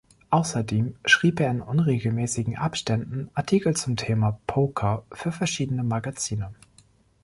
Außerdem schrieb er in unregelmäßigen Abständen Artikel zum Thema Poker für verschiedene Magazine.